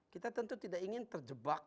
kita tentu tidak ingin terjebak